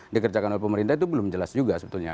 dikerjakan oleh pemerintah itu belum jelas juga sebetulnya